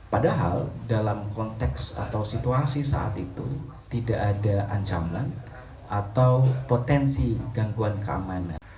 padahal dalam konteks atau situasi saat itu tidak ada ancaman atau potensi gangguan keamanan